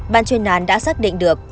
ban chuyên nàn đã xác định được